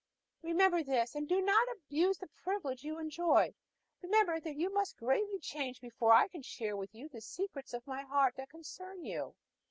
Remember this, and do not abuse the privilege you enjoy: remember that you must greatly change before I can share with you the secrets of my heart that concern you.